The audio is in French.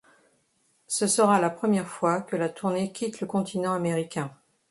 Ce sera la première fois que la tournée quitte le continent américain.